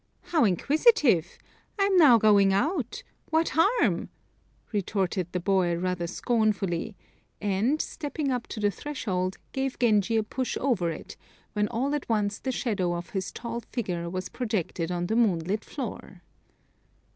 "How inquisitive! I am now going out. What harm?" retorted the boy, rather scornfully; and, stepping up to the threshold, gave Genji a push over it, when all at once the shadow of his tall figure was projected on the moonlit floor.